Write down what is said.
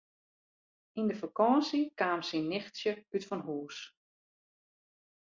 Yn de fakânsje kaam syn nichtsje útfanhûs.